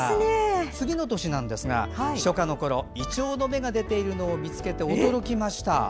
次の年なんですが、初夏のころいちょうの芽が出ているのを見つけて驚きました。